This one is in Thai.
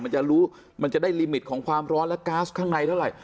มันจะรู้มันจะได้ลิมิตของความร้อนและก๊าซข้างในเท่าไหร่